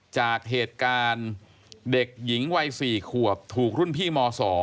จากเหตุการณ์เด็กหญิงวัย๔ขวบถูกรุ่นพี่ม๒